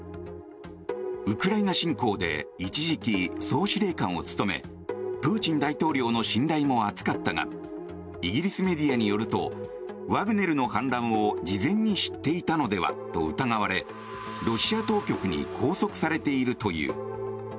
ウクライナ侵攻で一時期、総司令官を務めプーチン大統領の信頼も厚かったがイギリスメディアによるとワグネルの反乱を事前に知っていたのではと疑われロシア当局に拘束されているという。